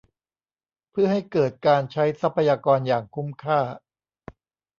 เพื่อให้เกิดการใช้ทรัพยากรอย่างคุ้มค่า